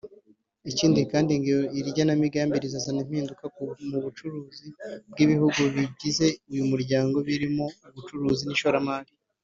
Ikindi kandi ngo iri genamigambi rizazana impinduka mu bucuruzi bw’ibihugu bigize uyu muryango harimo ubucuruzi n’ishoramari